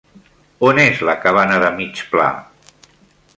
On és la cabana de mig pla?